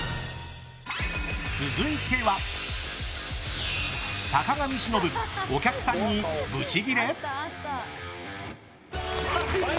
続いては、坂上忍お客さんにブチギレ！？